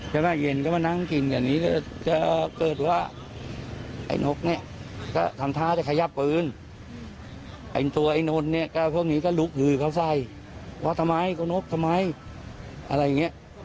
ตัวไอ้นนท์เนี่ยพวกนี้ก็ลุกหือเค้าใส่ว่าทำไมก็นกทำไมอะไรอย่างเงี้ย